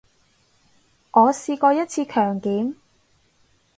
我試過一次強檢